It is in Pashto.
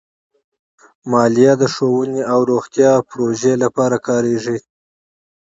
مالیه د ښوونې او روغتیا پروژو لپاره کارېږي.